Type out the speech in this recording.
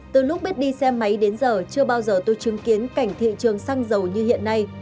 từ lúc biết đi xe máy đến giờ chưa bao giờ tôi chứng kiến cảnh thị trường xăng dầu như hiện nay